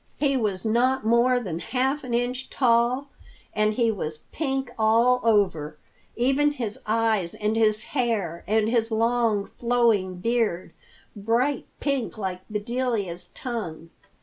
He was not more than half an inch tall and he was pink all over, even his eyes and his hair and his long, flowing beard—bright pink like Bedelia's tongue.